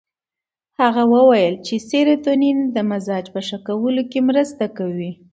هغه وویل چې سیروتونین د مزاج په ښه کولو کې مرسته کوي.